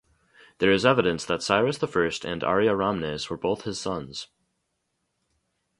There is evidence that Cyrus I and Ariaramnes were both his sons.